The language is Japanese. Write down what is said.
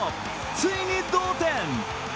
ついに、同点。